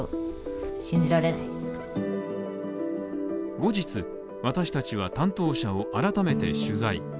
後日、私達は担当者を改めて取材。